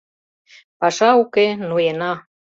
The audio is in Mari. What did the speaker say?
Паша уке — ноена.